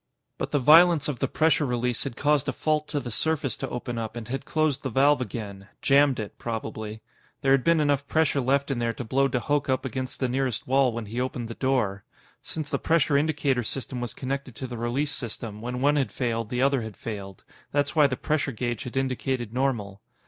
But the violence of the pressure release had caused a fault to the surface to open up and had closed the valve again jammed it, probably. There had been enough pressure left in there to blow de Hooch up against the nearest wall when he opened the door. Since the pressure indicator system was connected to the release system, when one had failed, the other had failed. That's why the pressure gauge had indicated normal.